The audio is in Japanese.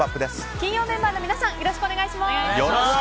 金曜メンバーの皆さんよろしくお願いします。